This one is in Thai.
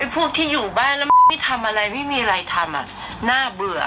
พวกที่อยู่บ้านแล้วไม่ทำอะไรไม่มีอะไรทำน่าเบื่อ